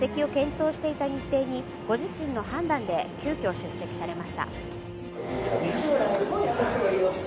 滞在中は欠席を検討していた日程にご自身の判断で急きょ出席されました。